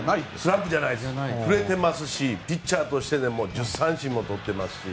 振れてますしピッチャーとしてでも１０三振もとっていますし。